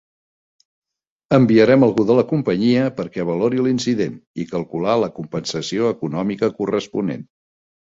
Enviarem algú de la companyia perquè valori l'incident i calcular la compensació econòmica corresponent.